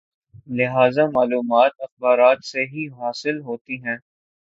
لہذا معلومات اخبارات سے ہی حاصل ہوتی ہیں۔